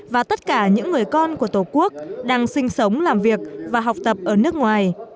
và tất cả những người con của tổ quốc đang sinh sống làm việc và học tập ở nước ngoài